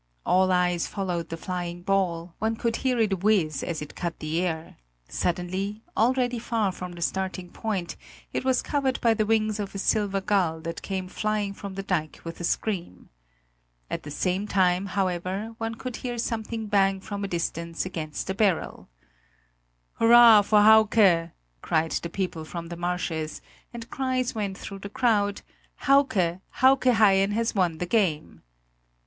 All eyes followed the flying ball, one could hear it whizz as it cut the air; suddenly, already far from the starting point, it was covered by the wings of a silver gull that came flying from the dike with a scream. At the same time, however, one could hear something bang from a distance against the barrel. "Hurrah for Hauke!" called the people from the marshes, and cries went through the crowd: "Hauke! Hauke Haien has won the game!"